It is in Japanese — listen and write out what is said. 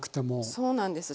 そうなんです。